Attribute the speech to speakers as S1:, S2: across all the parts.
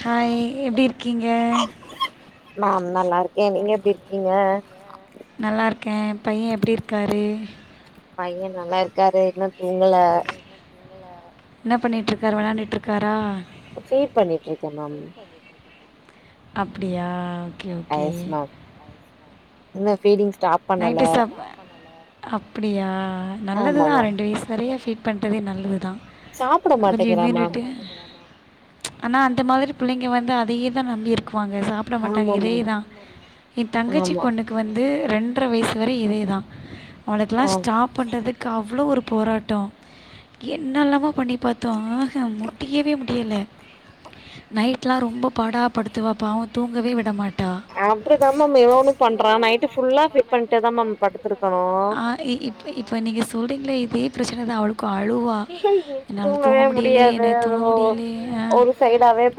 S1: hi எப்டி இர்க்கிங்க
S2: நான் நல்லார்க்கே நீங்க எப்டி இருக்கிங்க
S1: நல்லாருக்கே பைய எப்டி இருக்காரு
S2: பையன் நல்லா இருக்காரு இன்னு தூங்கல
S1: இன்ன பண்ணிட்ருக்காரு வெளாண்டுட்ருக்காரா
S2: ஃபீட் பண்ணிட்ருக்கே மேம்
S1: அப்டியா
S2: அ எஸ் மேம் இன்னு ஃபீடிங் ஸ்டாப்
S1: நைட்டு சாப் அப்டியா நல்லதுதா ரெண்டு வய்சு வரய ஃபீட் பண்றதே நல்லது தா கொஞ்சோ இம்யுனிட்டி ஆனா அந்த மாதிரி பிள்ளைங்க வந்து அதையே தா நம்பி இருக் கோங்க சாப்ட மாட்டாங்க இதேதா எ தங்கச்சி பொண்ணுக்கு வந்து ரெண் டற வய்சு வர இதேதா அவளுக்ல்லா ஸ்டாப் பண்றதுக்கு அவ்ளோ ஒரு போராட்டோ என்னல்லாமோ பண்ணி பாத்தோ ஆ ஹா முடியவே முடியல நைட்லா ரொம்ப பாடா படுத்துவா பாவோ தூங்கவே விடமாட்டா
S2: அப்டிதா மேம் இவனு பண்றா நைட்டு ஃபுல்லா ஃபீட் பண்ட்டே தா மேம் படுத்துருக்
S1: ஆ இ இப்ப இப்ப நீங்க சொல்றிங்ளே இதே ப்ரச்சனதா அவ்ளுக் கோ அழுவா என்னால தூங்க முடியலேயே என்னய தூங்க முடியலேயே அ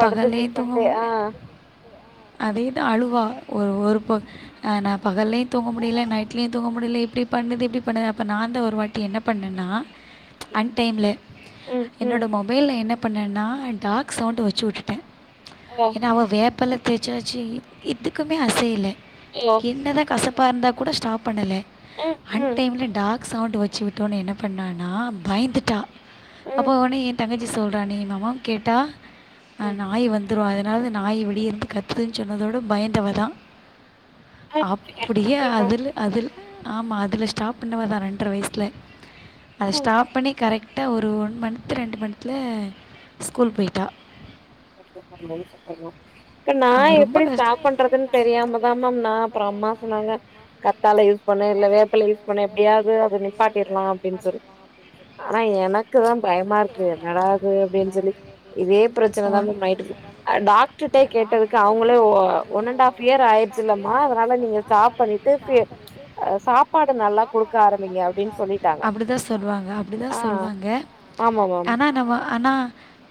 S1: பகல்லயு தூங்க முடிய அதே தா அழுவா ஒரு ஒரு போ நா பகல்யு தூங்க முடில நைட்லயு தூங்க முடில இப் இப்டி பண்ணுது இப்டி பண்ணுது அப்போ நாதா ஒரு வாட்டி என்ன பண்ணன்னா அன் டைம்ல என்னோட மொபைல்ல என்ன பண்ணேன்னா டாக் சவுண்ட் வச்சுவிட்டுட்டே
S2: ஆ
S1: ஏனா அவ வேப்பல்ல தேசாச்சி எதுக்குமே அசையல
S2: [unintelligible]
S1: என்னதா கசப்பா இருந்தா கூட ஸ்டாப் பண்ணல அன் டைம்ல டாக் சவுண்ட் வச்சு விட்டோ என்ன பண்ணா பயந்துட்டா அப்போ உனே எ தங்க சி சொல்ற நீ எங்க அம்மா கேட்டா ஆ நாய் வந்து வந்துரு அதனால நாய் விடி இருந்து கத்துதுன்னு சொன்னதோட பயந்தவ தா அப்டியே அதில அதில ஆமா அதுல ஸ்டாப் பண்ணவ தா ரெண்ர வயசுல அது ஸ்டாப் பண்ணி கரெக் ட்டா ஒரு ஒன் மன்த் ரெண்டு மன்த் ஸ்கூல் போயிட்டா
S2: இப்ப நா எப்டி டாப் பண்றதுன் தெரியாம தா மேம் நா அப்பற அம்மா சொன்னாங்க கத்தால யூஸ் பண்ணு இல்ல வேப்பல யூஸ் பண்ணு எப்டியாவது அத நிப்பாட்டிற்லா அப்டின்னு சொல்லி ஆனா எனக்குதா பயமா இருக்கு என்னடா இது அப்டின்னு சொல்லி இதே பிர ச்சனதா மேம் நைட் ஃபுல் ஆ டாக்டர்டே கேட்டதுக்கு அவுங்களே ஒண்ணட் ஆஃப் இயர் ஆயிர் ச்சில்லமா அதனால நீங்க ஸ்டாப் பண்ணிட்டு ஃபி சாப்பாடு நல்லா குடுக்க ஆரம்பிங்க அப்டின்னு சொல்லி
S1: அப்டிதா சொல்லுவாங்க அப்டிதா சொல்லுவாங்க ஆனா நம்ம ஆனா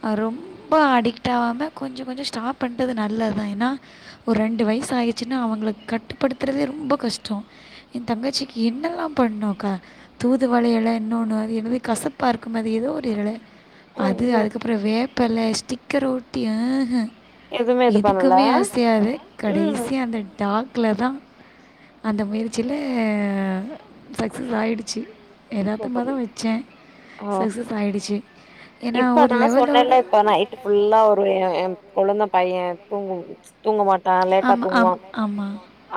S1: அ ரொம்ப அடிக்ட் ஆகாம கொஞ்சோ கொஞ்சோ ஸ்டாப் பண்றது நல்லதா ஏனா ஒரு ரெண்டு வயசு ஆயிச்சுன்னா அவங்கள கட்டுப்படுத்துறதே ரொம்ப கஷ்டோ எ தங்கச்சிக்கு என்னெல்லா பண்ணோக்கா தூதுவள இல இன்னோன்னு என்னது கசப்பா இருக்குமே அது ஏதோ ஒரு இல அது அதுக்கப்பற வேப்பல ஸ்டிக்கர் ஒட்டி ஆ ஹ எதுக்குமே அசையாது கடைசியா அந்த டாக்ல தா அந்த முயற்சில சக்சஸ் ஆயிடுச்சு எதார்த்தமாதா வச்சே சக்ஸஸ் ஆயிடுச்சு ஏனா ஒரு லெவலோட
S2: அ‌ நைட்டு ஃபுல்லா ஒரு எ கொழுந்த பைய தூங்கு தூங்க மாட் டா லேட்டா தூங்குவா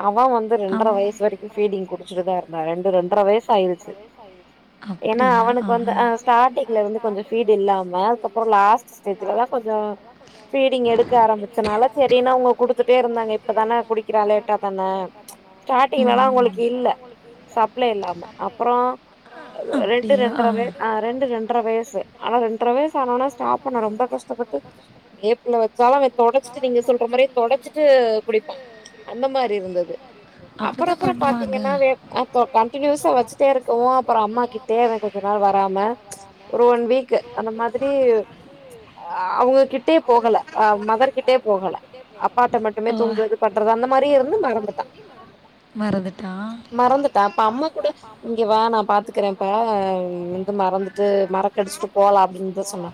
S2: அவ வந்து ரெண்டர வயசு வரைக்கு பீடிங் குடிச்சிட்டுதா இருந்தா ரெண்டு ரெண்டர வயஸ் ஆயிரிச்சு ஏனா அவனுக்கு வந்து அ ஸ்டார்டிங்ல வந்து கொஞ்சோ ஃபீடு இல்லாம அதுக்கப்பற லாஸ் சிஸ்டர் இதலல்லா கொஞ்சோ ஃபீடிங் எடுக்க ஆரம்பிச்சனால சேரினு அவுங்க குடுத்துட்டே இருந்தாங்க இப்பதான குடி க்றா லேட்டா தானே ஸ்டார்டிங்லல்லா அவுங்களுக்கு இல்ல சப்ளை இல்லாம அப்றோ ரெண்டு ரெண்டரவே ஆ ரெண்டு ரெண்டர வயசு ஆனா ரெண்டர வயசு ஆனோன ஸ்டாப் பண்ண ரொம்ப கஷ்டப்பட்டு வேப்பல வச்
S1: வேப்பல வெச்சாலு அத தொடச்சிடு நீங்க சொல்றா மாரி தொடச்சிடு குடிப்பா எப்பமே அதேதா
S2: அப்பற அப்பற பாத்தீங்கன்னா வேப் கண்டினியூஸ்சா வச்சுட்டே இருக்கவு அப்பற அம்மா கிட்டே கொஞ்ச நாள் வராம ஒரு ஒன் வீக் அந்த மாதிரி ஆ அவுங்க கிட் டே போகல ஆ மதர் கிட்டே போகல அப்பாட்ட மட்டுமே தூங்குறது பண்றது அந்த மாரியே இருந்து மறந்துட்டா மறந்துட்டா அப்ப அம்மா கூட இங்க வா நா பாத் துக்கிறேப்பா வந்து மறந்துட்டு மரக்கடிச்சுட்டு போலா அப்டின்னுதா சொன்ன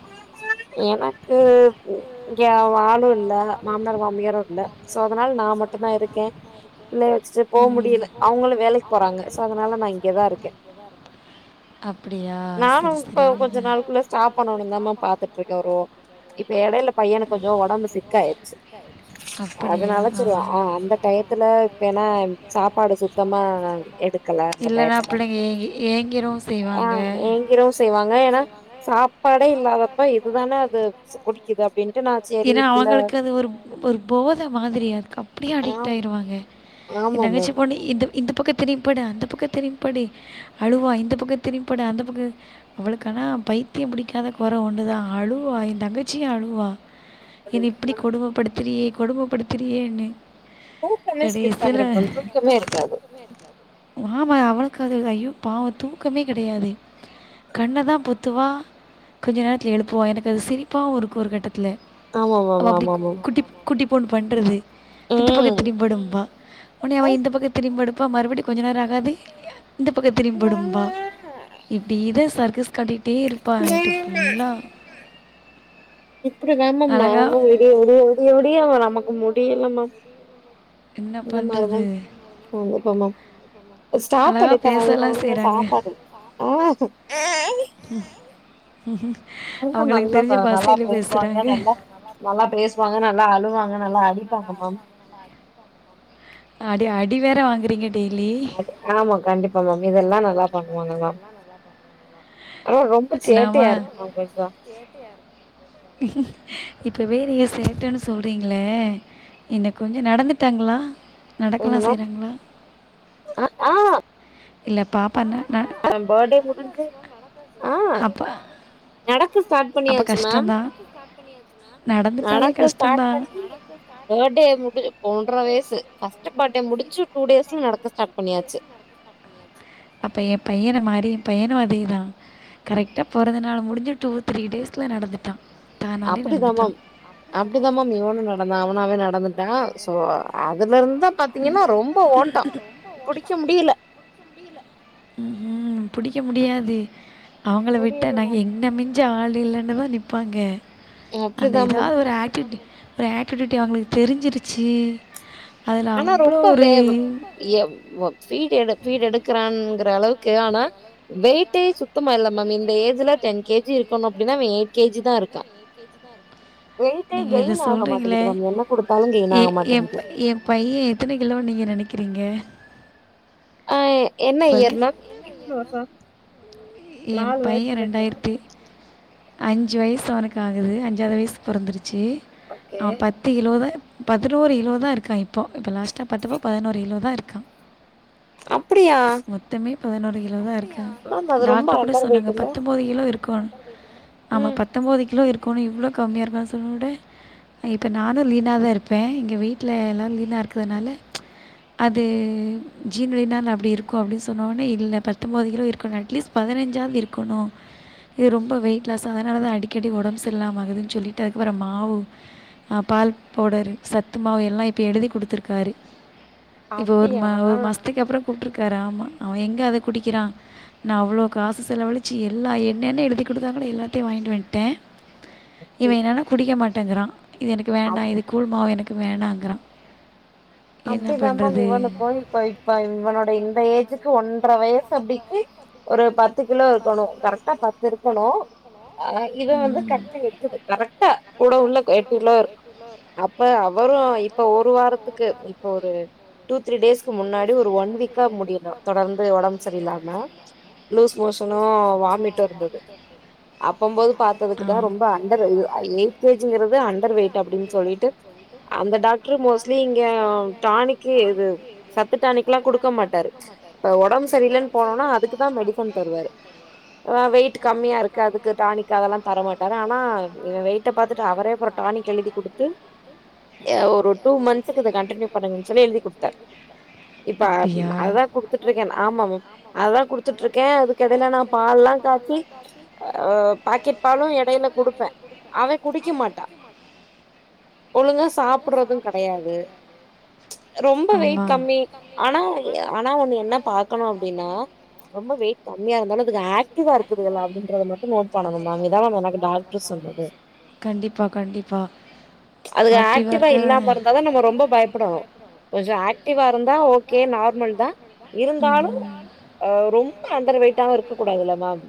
S2: எனக்கு ஒ இங்க அவ ஆளு இல்ல மாமனார் மாமியாரு இல்ல சோ அதனால நா மட்டு தா இருக்கே புள்ளய வச்சுட்டு போ முடியல அவுங்களு வேலைக்கி போறாங்க சோ அதனால நா இங்கதா இருக்கே
S1: அப்டியா செரி செரிங்க
S2: இல்ல சாப் ணோனுதாமா பாத்துட்டு இருக்காரு இப்ப இடையில பையனுக்கு கொஞ்சோ உடம்பு சிக் ஆயிடுச்சு
S1: க
S2: அதனாலச் செரி‌‌ அ அந்த டயத்துல இப்ப ஏனா சாப்பாடு சுத்தமா எடுக்கல அந்த டயத்துல
S1: ஏங்கிரோ
S2: ஆ ஏங்கிரவும் செய்வாங்க ஏன்னா சாப்பாடே இல்லாதப்ப இதுதானே அது ‌ஸ்குடிக்குது அப்படினு
S1: ஏன்னா அவங்களுக்கு அது ஒரு ஒரு போத மாதிரி அதுக்கப் அப்படியே அடிக்ட் ஆயிருவாங்க என் தங்கசி பொண்ணு இது இந்த பக்கோ திரும்பி படு அந்த பக்கோ திரும்பி படு அழுவா இந்த பக்கோ திரும்பி படு அந்த பக்க ஆவளுக்கு ஆனா பைத்தியம் புடிக்காத கொர ஒன்னுதா அழுவா என் தங்கச்சியும் அழுவா என்ன இப்படி கொடுமபடுத்துறியே கொடுமபடுத்துறியேன்னு
S2: தூக்கமே ஸ்கிப் பண்ணிரும் மேம் தூக்கமே இருக்காது
S1: ஆமா அவளுக்கு அது தான் ஐயோ பாவம் தூக்கமே கிடையாது கண்ண தா பொத்துவா கொஞ்ச நேரத்தில எழுப்புவா எனக்கு அது சிரிப்பா இருக்கு ஒரு கட்டத்துல ஒ அப்படி குட்டி குட்டி பொண் பண்றது இந்த பக்கம் திரிம்பி படும்பா ஒனே அவ இந்த பக்கம் திரிம்பி படுப் படுப்ப மறுபடியு கொஞ்சோ நேரோ ஆகாது இந்த பக்கம் திரிம்பி படும்பா இப்டியே தா சர்க்கஸ் காட்டிக்கிட்டே இருப்பா நைட்டு ஃபுல்லா
S2: இப்டிதா மேம் நானு விடிய விடிய விடிய விடிய நமக்கு முடியல மேம் என்ன மாறி மேம் [inaudible] ஸ்டாட் பண்ணித்தா அதுங்க ஒழுங்கா சாப்பாடு அ
S1: அவங்களுக்கு தெரிஞ்ச பாசையிலயே பேசுறாங்க
S2: நல்லா பேசுவாங்க நல்லா அழுவாங்க நல்லா அடிப்பாங்க மேம்
S1: அடி அடி வேற வாங்குறீங்க டெய்லி
S2: ஆமா கண்டிப்பா மேம் இதெல்லா நல்லா பண்ணுவாங்க மேம் ஆ ரொம்ப சேட்டையா இருக்கு மா உங்களுக்கெல்லாம்
S1: சேட்டையா இருக்கு [inaudible] இப்பவே நீங்க சேட்டன்னு சொல்றீங்ளே என்ன கொஞ்சோ நடந்துட்டாங்ளா
S2: என்ன மேம் அ ஆ
S1: இல்ல பாப்பா ந ந
S2: அவன் பட்டே முடிஞ்சு நடக்க ஸ்டார்ட் பண்ணியாச்சு மேம் நடக்க ஸ்டார்ட் பண்ணி பட்டே முடிஞ்சு இப்ப ஒன்ற வயசு ஃபர்ஸ்ட்டு பட்டே முடிச்சு டூ டேஸ்ல நடக்க ஸ்டார்ட் பண்ணியாச்சு
S1: அப்ப ஏ பையன மாறி என் பையனு அதே தா கரெக்டா பொறந்த நாளு முடிஞ்சு டூ த்ரீ டேஸ்ல நடந்துட்டான்
S2: அப்டிதா மேம் அப்டிதா மேம் இவனு நடந்தான் அவனாவே நடந்துட்டான் சோ அதுல இருந்த பாத்தீங்கன்னா ரொம்ப ஓட்டோம் புடிக்க முடியில
S1: ம் ம் புடிக்க முடியாது அவங்கள விட்டா நாங்க என்ன மிஞ்ச ஞ்ச ஆள் இல்லன்னதா நிப்பாங்க அந்த ஏதாவது ஒரு ஆக்டிவிட்டி பிராக்குருட்டி அவங்களுக் தெரிஞ்சுருச்சி
S2: ஆனா ரொம்ப வேவு எவ் வ ஃபீடு எடு ஃபீடு எடுக்கிறாங்கிற அளவுக்கு ஆனா வெயிட்டே சுத்தமா இல்ல மேம் இந்த ஏஜ்ல டென் கேஜி இருக்கனு அப்டின்னா அவ எயிட் கேஜி தா இருக்கா
S1: நீங்க இது சொல்றீங்களே எ எப்ப எப் பைய எத்தன கிலோ நீங்க நெனைக்கிறீங்க
S2: அ என்ன இயர் மேம் எத்தன வர்சோ
S1: ஏ பைய ரெண்டாயிரத்தி அஞ்சு வயசு அவனுக்கு ஆகுது அஞ்சாவது வயசு பொறந்துருச்சி அவ பத் த்து கிலோவே பதினோரு கிலோதா இருக்கா இப்போ இப்ப லாஸ்ட்டா பாத்தப்போ பதினோரு கிலோதா இருக்கா
S2: அப்படியா
S1: மொத்தமே பதினோரு கிலோ தா இருக்கா டாக்டர் கூட சொன்னாங்க பத்தொம்போது கிலோ இருக்கோன் ஆமா பத்தொம்போது கிலோ இரு கோனே இவ்ளோ கம்மியா இருக்கான் சொன்னோட்டே இப்ப நானு லீனா தா இருப்பே எங்க வீட்ல எல்லா லீனா இருக்கிறதுனால அது ஜீன் வழினால அப்டி இருக்கு அப்டி சொன்னோன்னே இல்ல பத்தொம்போது கிலோ இருக்கணு அட்லீஸ்ட் பதினஞ்சாது இருக்கனு இது ரொம்ப வெயிட் லாஸ் அதனால தா அடிக்கடி ஒடம் சரியில்லாம ஆகுதுன் சொல்லிட்டு அதுக்கப்றோ மாவு அ பால் பவுடரு சத்து மாவு எல்லா இப்ப எழுதி குடுத்துருக்காரு இப்ப ஒரு மா ஒரு மாஸ்த்துக்கு அப்றோ கூப்ட்ருக்காரு ஆமா அவ எங்க அத குடிக்கிறா நா அவ்ளோ காசு செலவழிச்சு எல்லா என்னென்ன எழுதி குடுத்தாங்லோ எல்லாத்தையு வாங்கிட்டு வந்ட்டே இவ என்னன்னா குடிக்க மாட்டேங்கிற இது எனக்கு வேண்டா இது கூழ்மா எனக்கு வேண்ணாங்கிறா
S2: அப்டிதாம்மா இவனுக்கு இப்ப இப்ப இவனோட இந்த ஏஜிக்கு ஒன்ற வயசு அப்டிக்கி ஒரு பத்து கிலோ இருக்கணு கரெக்டா பத்து இருக்கணு ஆ இவ வந்து கட்டி வெக்குது கரெக்டா கூட உள்ள எட்டு கிலோ அப்ப அவரு இப்ப ஒரு வாரத்துக்கு இப்ப ஒரு டூ த்ரீ டேஸ்க்கு முன்னாடி ஒரு ஒன் வீக்கா முடியணு தொடர்ந்து ஒடம் சரி இல்லாம்ம லூஸ் மோஷனு வாமிட்டு இருந்தது அப்பம் போது பாத்ததுக்குதா ரொம்ப அண்டர் எயிட் கே ஜி ங்கிறது அண்டர் வெயிட் அப்படின் சொல்லிட்டு அந்த டாக்ரு மோஸ்லி ஆம் டானிக்கி இது சத்து டாணிக் எல்லா குடுக்க மாட்டாரு ப ஒடம் சரியில்லன் போனா அதுக்கு தா மெடிசன் தருவாரு அ வெயிட் கம்மியா இருக்கு அதுக்கு டானிக் கு அதெல்லா தரமாட்டாரு ஆனா வெயிட்ட பாத்துட்டு அவரே அப்ற டானிக் எழுதி குடுத்து ஏ ஒரு டூ மந்த்க்கு இத கன்டினியூ பண்ணுங்கன் சொல்லி எழுதி குடுத்தார் இப்ப அததா குடுத்துட்ருக்கன் ஆமாமு அத்தா குடுத்துட்ருக்க அதுக்கடையில நா பால் எல்லா காச்சி அ பாக்கெட்
S1: பேக்கெட் பால்லு எடையில குடுப்பே அத குடுச்சுபா
S2: ஒழுங்கா சாப்பற்றது கடையாது ரொம்ப வெயிட் கம்மி ஆனா ஆனா ஒண்ணு என்ன பாக்கணு அப்டின்னா ரொம்ப வெயிட் கம்மியா இருந்தாலு அதுக ஆக்டிவா இருக்குதுகலா அப்டின்றத மட்டு நோட் பண் ணனு மேம் இதா எனக்கு டாக்டர் சொன்னது அதுக ஆக்டிவா இல்லாம இருந்தா அதா நம்ம ரொம்ப பயப்படனு கொஞ்ச ஆக்டிவா இருந்தா ஓகே நார்மல்தா இருந்தாலு அ ரொம்ப அண்டர் வெயிட்டாவு இருக்க கூடாதுல மேம்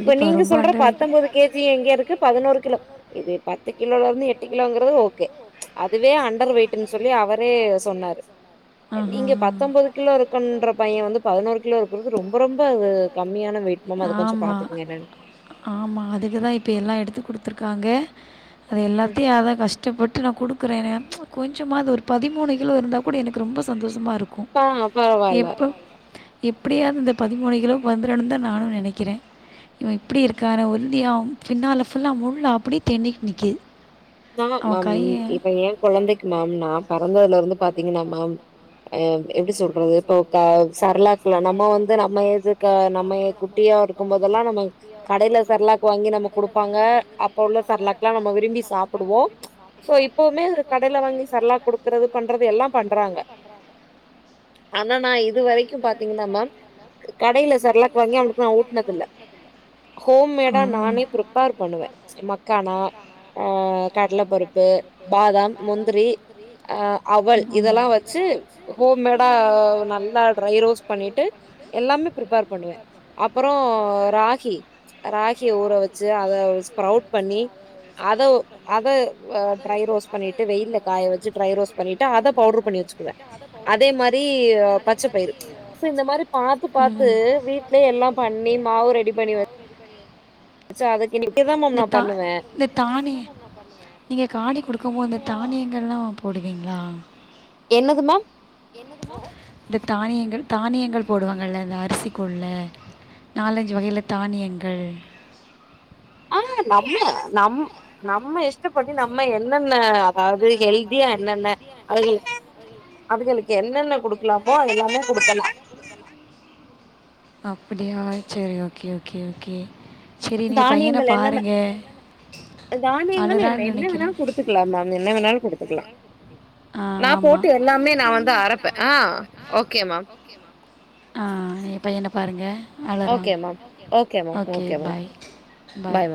S2: இப்ப நீங்க சொல்ற பத்தொன்பது கேஜி எங்கே இருக்கு பதினோரு கிலோ இது பத்து கிலோல இருந்து எட்டு கிலோங்கிறது ஓகே அதுவே அண்டர் வெயிடுன்னு சொல்லி அவரே சொன்னாரு நீங்க பத்தொன்போது கிலோ இருக்குன்ற பைய வந்து பதினோரு கிலோ இருக்கிறது ரொம்ப ரொம்ப அது கம்மியான வெயிட் மாமா அத கொஞ்ச பாத்துக்கோங்க என்னனு
S1: ஆமா அதுக்குதா இப்ப எல்லா எடுத்து கடுத்துருக்காங்க அது எல்லாத்தையு அத கஷ் டப்பட்டு நா குடுக்குறயே எனிய கொஞ்சமாவது ஒரு பதிமூனு கிலோ இருந்தா கூட எனக்கு ரொம்ப சந்தோஷமா இருக் கு எப்போ எப்டியாவது இந்த பதிமூணு கிலோ வந்துறனுன்னு தா நானு நினைக்கிறே இவ எப்டி இருக்கார உருண்டியா பின்னால புல்லா முல்லா அப்டியே தெண்ணிக் நிற்கி
S2: நா மேம் இப்ப ஏ கொழந்தக்கு மாம் நா பிறந்ததுல இருந்து பாத்தீங்னா மேம் அயவ் எப்டி சொல்றது போக்கவ் சரலக் நம்மம் வந்து நம்ம எதுக்கு நம்மகா குட்டியா இருக்குபோதெல்லா நம்ம கடைலே செர்லாக் வாங்கி நம்ம குடுப்பாங்க அப்ப உள்ள செர்லாக் எல்லா நம்ம விரும்பி சாப்டுவோ சோ இப்போவுமே கடேல வாங்கி செர்லாக் குடுக்கறது பண்றது எல்லா பன்றாங்க ஆனா நா இது வரைக் பாத்தீங்னா மேம் கடையில செர்லக் வாங்கி அவனுக்கு நா ஊட்னதில்ல ஹோம்மேடா நானே ஃப்ரிப்பேர் பண்ணுவ மக்கானா அ கடல பருப்பு பாதாம் முந்திரி ஆ அவல் இதெல்லா வச்சி ஹோம்மேட நல்லா ட்ரை ரோஸ் பண்ணிட்டு எல்லாமே ஃப்ரிப்பேர் பண்ணுவ அப்ரோ ராகி ராகிய ஊற வச்சி அதவ் ஸ்ப்ரவுட் பண்ணி அதோ அத வ ட்ரை ரோஸ்ட் பண்ணிட்டு வெயில காய வச்சி ட்ரை ரோஸ்ட் பண்ணிட்டு அத பவுடரு பண்ணி வச்சி க்கு அதே மாதிரி பச்ச பயிறு சோ இந்த மாதிரி பாத்து பாத்து வீட்லயே எல்லா பண்ணி மாவு ரெடி பண்ணி வச் சோ அதுக்கு நிக்கதா மேம் நா பண்ணுவ
S1: இந்த தானே நீங்க காடி குடுக்கு போது இந்த தானியங்கள் எல்லா போடுவீங்ளா
S2: என்னது மா
S1: இந்த தானியேன் தானியங்கள் போடுவாங்கல இந்த அரிசிக்குள்ள நாலஞ்சி வகையில தானியங்கள்
S2: ஆ நம்ம நம் நம்ம இஷ்டப்பட்டு நம்ம என்னென்ன அதாவது ஹெல்த்
S1: இது ஹெல்த்தி ஆ என்னென்ன [unintelligible]
S2: அவுகளுக்கு என்னென்ன குடுக்கலாமோ எல்லாமே குடுக்கலா
S1: அப்டியா செரி ஓகே ஓகே ஓகே
S2: தானியங்கள் என்னென்ன குடுத்துக்கிலா மேம் என்ன வேனாலு குடுத்துக்கிலா நா போட்டு எல்லாமே நா வந்து அரப்பே ஆ ஓகே மாம்
S1: ஆ எப்ப என்ன பாருங்க அழறா ஓகே பாய் பாய்